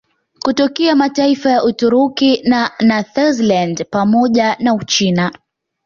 Kutokea mataifa ya Uturuki na Thailandi pamoja na Uchina